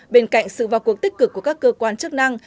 bên cạnh sự vào cuộc tích cực của các cơ quan chức năng